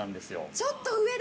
ちょっと上だ。